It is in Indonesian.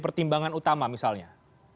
pertimbangan utama misalnya